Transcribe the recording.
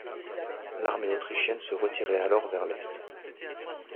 L'armée autrichienne se retirait alors vers l'est.